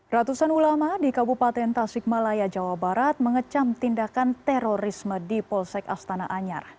ratusan ulama di kabupaten tasikmalaya jawa barat mengecam tindakan terorisme di polsek astana anyar